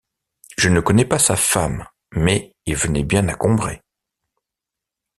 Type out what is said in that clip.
Je ne connais pas sa femme. — Mais il venait bien à Combray.